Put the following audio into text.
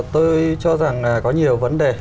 tôi cho rằng có nhiều vấn đề